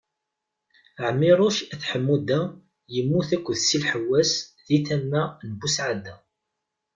Ɛmiruc At Ḥemmuda yemmut akked Si Lḥessaw di tama n Busɛada.